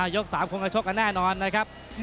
ยก๓คงจะชกกันแน่นอนนะครับ